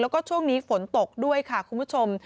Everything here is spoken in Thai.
แล้วก็ช่วงนี้ฝนตกด้วยค่ะคุณผู้ชม